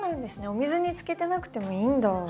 お水につけてなくてもいいんだ。